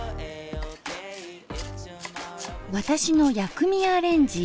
私の薬味アレンジ。